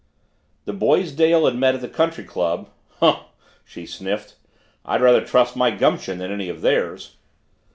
The boys Dale had met at the country club "Humph!" she sniffed, "I'd rather trust my gumption than any of theirs."